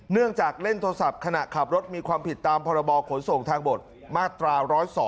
เนื่องจากเล่นโทรศัพท์ขณะขับรถมีความผิดตามพรบขนส่งทางบทมาตรา๑๐๒